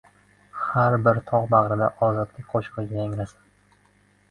Har bir tog‘ bag‘rida ozodlik qo‘shig‘i yangrasin!